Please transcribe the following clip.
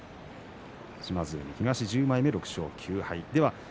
島津海、東１０枚目で６勝９敗です。